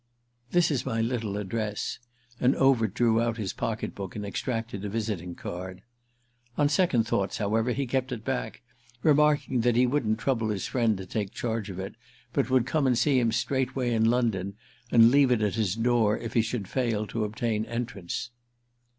"This is my little address"—and Overt drew out his pocketbook and extracted a visiting card. On second thoughts, however, he kept it back, remarking that he wouldn't trouble his friend to take charge of it but would come and see him straightway in London and leave it at his door if he should fail to obtain entrance.